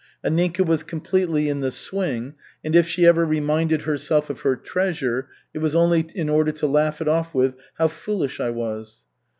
Anninka was completely in the swing, and if she ever reminded herself of her "treasure," it was only in order to laugh it off with "How foolish I was!"